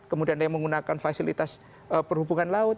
kemudian yang menggunakan fasilitas perhubungan laut